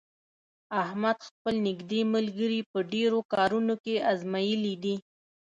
احمد خپل نېږدې ملګري په ډېرو کارونو کې ازمېیلي دي.